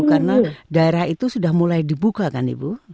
karena daerah itu sudah mulai dibuka kan ibu